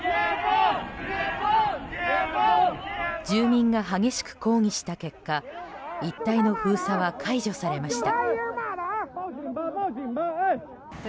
住民が激しく抗議した結果一帯の封鎖は解除されました。